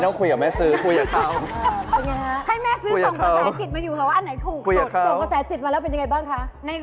ส่งกระแสจิตมาแล้วเป็นยังไงบ้างคะ